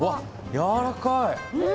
やわらかい。